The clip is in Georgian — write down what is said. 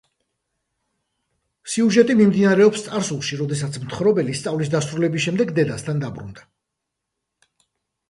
სიუჟეტი მიმდინარეობს წარსულში, როდესაც მთხრობელი სწავლის დასრულების შემდეგ დედასთან დაბრუნდა.